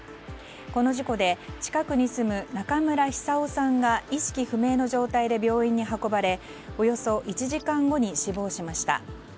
この事故で、近くに住む仲村久生さんが意識不明の状態で病院に運ばれおよそ１時間後に死亡しました。